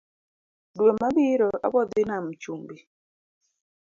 Dwe mabiro abodhii nam chumbi